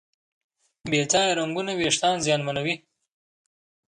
بې ځایه رنګونه وېښتيان زیانمنوي.